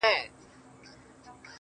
گرا ني خبري سوې پرې نه پوهېږم.